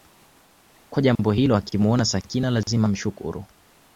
kwa jambo hilo akimwona Sakina lazima amshukuru